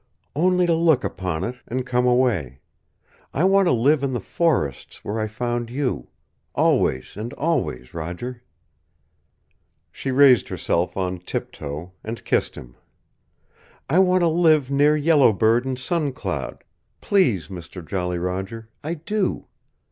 "Only to look upon it, and come away. I want to live in the forests, where I found you. Always and always, Roger." She raised herself on tip toe, and kissed him. "I want to live near Yellow Bird and Sun Cloud please Mister Jolly Roger I do.